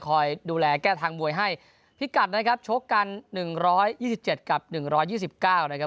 คอยดูแลแก้ทางมวยให้พิกัดนะครับชกกันหนึ่งร้อยยี่สิบเจ็ดกับหนึ่งร้อยยี่สิบเก้านะครับ